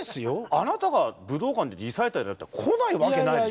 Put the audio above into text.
あなたが武道館でリサイタルやったら来ないわけないでしょ。